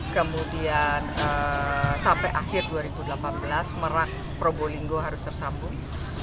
kemudian sampai akhir dua ribu delapan belas merak probolinggo harus tersambung